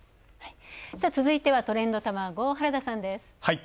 続いては、トレンドたまご、原田さんです。